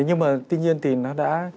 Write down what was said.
nhưng mà tuy nhiên thì nó đã